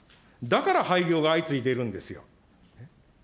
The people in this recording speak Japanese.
だから廃業が相次いでいるんですよ。